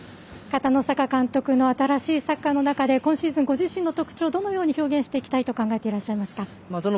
片野坂監督の新しいサッカーの中で今シーズン、ご自身の特徴をどのように表現していきたいと考えてらっしゃいますか？